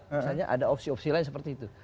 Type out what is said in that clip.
misalnya ada opsi opsi lain seperti itu